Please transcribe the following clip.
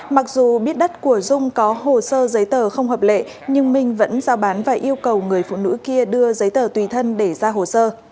mặc dù biết đất của dung có hồ sơ giấy tờ không hợp lệ nhưng minh vẫn giao bán và yêu cầu người phụ nữ kia đưa giấy tờ tùy thân để ra hồ sơ